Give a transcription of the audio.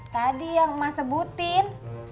tadi yang emas sebutin